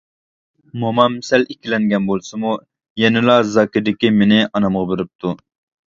مومام سەل ئىككىلەنگەن بولسىمۇ، يەنىلا زاكىدىكى مېنى ئانامغا بېرىپتۇ.